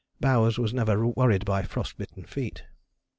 Bowers was never worried by frost bitten feet.